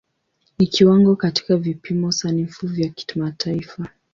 Ni kiwango katika vipimo sanifu vya kimataifa.